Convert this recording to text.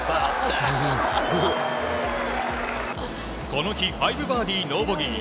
この日５バーディー、ノーボギー。